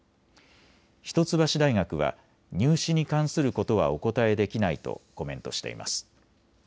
一橋大学は入試に関することはお答えできないとコメントしています。